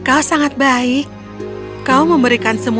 tapi orang orang yang baik tidak akan berhubung dengan kita